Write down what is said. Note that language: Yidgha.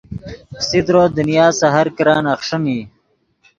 فسیدرو دنیا سے ہر کرن اخݰین ای